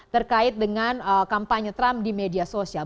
terkait dengan kampanye trump di media sosial